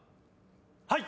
はい！